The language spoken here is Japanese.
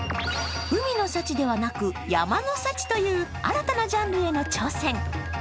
海の幸ではなく、山の幸という新たなジャンルへの挑戦。